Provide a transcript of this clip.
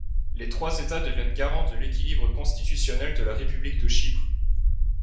Les trois États deviennent garants de l'équilibre constitutionnel de la République de Chypre.